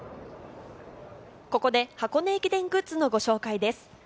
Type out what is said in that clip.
ここで箱根駅グッズのご紹介です。